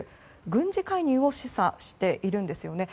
軍事介入を示唆しているんですね。